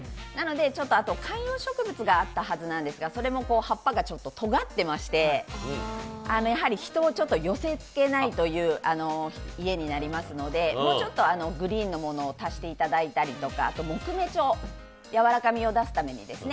あと観葉植物があったはずなんですが、それも葉っぱがとがっていまして人を寄せつけないという家になりますので、もうちょっとグリーンのものを足していただいたりとか木目調、やわらかみを出すためにですね。